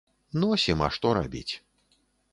Носім, а што рабіць.